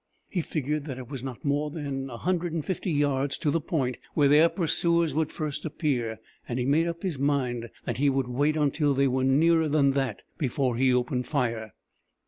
He figured that it was not more than 150 yards to the point where their pursuers would first appear, and he made up his mind that he would wait until they were nearer than that before he opened fire.